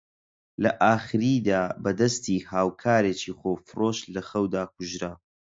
لە ئاخریدا بە دەستی هاوکارێکی خۆفرۆش لە خەودا کوژرا